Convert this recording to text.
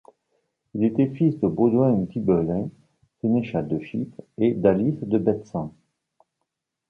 Il était fils de Baudouin d'Ibelin, sénéchal de Chypre, et d'Alice de Bethsan.